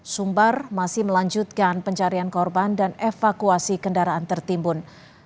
sumbar masih melanjutkan pencarian korban dan evakuasi kendaraan tertimbun